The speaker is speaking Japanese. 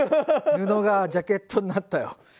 布がジャケットになったよ。